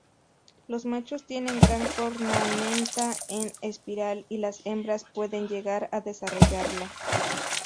Los machos tienen gran cornamenta en espiral, y las hembras pueden llegar a desarrollarla.